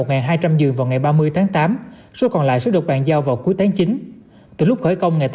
giường vào ngày ba mươi tháng tám số còn lại sẽ được bàn giao vào cuối tháng chín từ lúc khởi công ngày